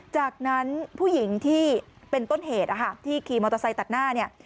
จากนั้นผู้หญิงที่เป็นต้นเหตุที่เคลียร์มอเตอร์ไซต์ตัดหน้า